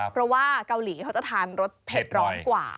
เพราะว่าเกาหลีเขาจะทานรสเผ็ดร้อนกว่า